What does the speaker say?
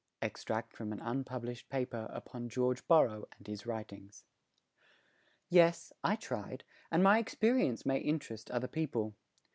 Extract from an unpublished paper upon George Borrow and his writings. Yes, I tried and my experience may interest other people.